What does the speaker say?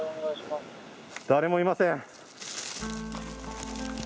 誰もいません。